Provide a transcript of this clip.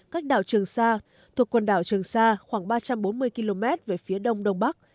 cách đảo trường sa thuộc quần đảo trường sa khoảng ba trăm bốn mươi km về phía đông đông bắc